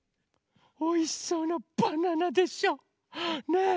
おいしそうなバナナでしょ？ねえ。